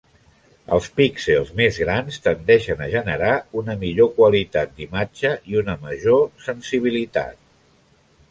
Els píxels més grans tendeixen a generar una millor qualitat d'imatge i una major sensibilitat.